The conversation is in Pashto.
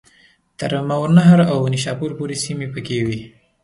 تر ماوراءالنهر او نیشاپور پوري سیمي پکښي وې.